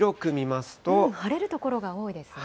晴れる所が多いですね。